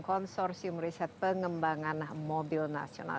konsorsium riset pengembangan mobil nasional